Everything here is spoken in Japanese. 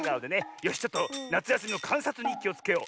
よしちょっとなつやすみのかんさつにっきをつけよう。